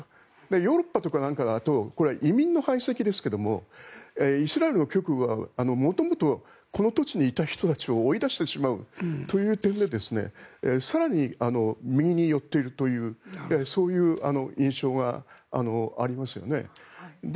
ヨーロッパとかなんかだとこれは移民の排斥ですがイスラエルの極右は元々、この土地にいた人たちを追い出してしまうという点で更に右に寄っているというそういう印象がありますよね。